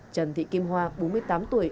trần thị kim hoa bốn mươi tám tuổi